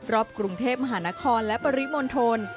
รอบกรุงเทพมหานครและปริมณฑล